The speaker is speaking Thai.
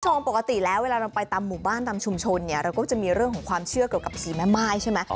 ปกติแล้วเวลาเราไปตามหมู่บ้านตามชุมชนเนี่ยเราก็จะมีเรื่องของความเชื่อเกี่ยวกับสีแม่ม่ายใช่ไหม